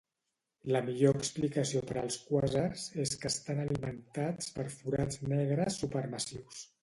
La millor explicació per als quàsars és que estan alimentats per forats negres supermassius.